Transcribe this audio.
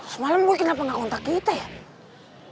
semalam gue kenapa gak kontak kita ya